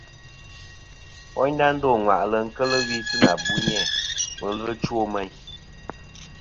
Wayndà dô ŋwàʼlɨ keli wi si na buni a ma ɨlvɨ ɨ chow meyn.